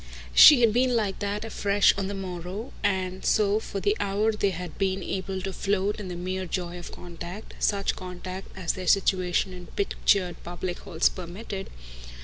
She had been like that afresh on the morrow; and so for the hour they had been able to float in the mere joy of contact such contact as their situation in pictured public halls permitted.